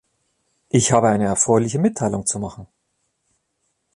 Ich habe eine erfreuliche Mitteilung zu machen.